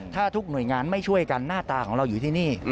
ถ้าทุกหน่วยงานไม่ช่วยกันหน้าตาของเราอยู่ที่นี่